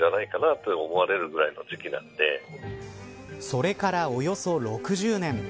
それからおよそ６０年。